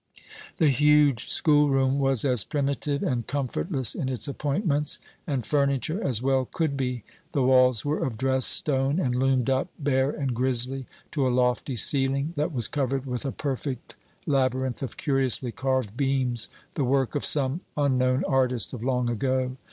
The huge school room was as primitive and comfortless in its appointments and furniture as well could be. The walls were of dressed stone and loomed up bare and grisly to a lofty ceiling that was covered with a perfect labyrinth of curiously carved beams, the work of some unknown artist of long ago.